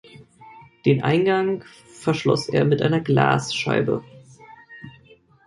Den Eingang verschloss er mit einer Glasscheibe.